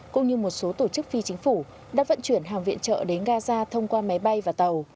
cũng như một số tổ chức phi chính phủ đã vận chuyển hàng viện trợ đến gaza thông qua máy bay và tàu